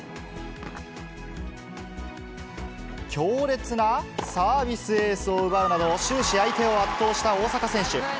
強烈なサービスエースを奪うなど、終始、相手を圧倒した大坂選手。